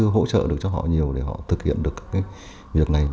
hỗ trợ được cho họ nhiều để họ thực hiện được cái việc này